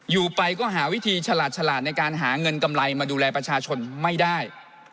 อยู่ไปก็หาวิธีฉลาดฉลาดในการหาเงินกำไรมาดูแลประชาชนไม่ได้